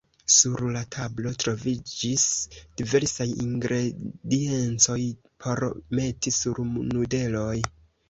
Sur la tablo troviĝis diversaj ingrediencoj por meti sur nudelojn.